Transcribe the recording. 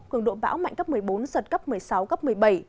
cường độ bão mạnh cấp một mươi bốn giật cấp một mươi sáu cấp một mươi bảy